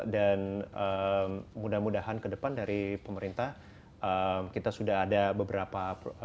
dan mudah mudahan ke depan dari pemerintah kita sudah ada beberapa